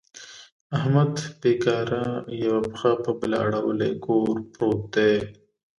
احمد بېکاره یوه پښه په بله اړولې کور پورت دی.